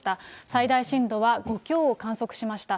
最大震度は５強を観測しました。